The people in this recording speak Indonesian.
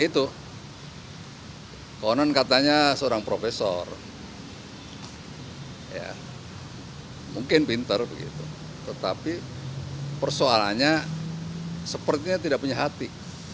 itu konon katanya seorang profesor mungkin pinter tetapi persoalannya sepertinya tidak punya hati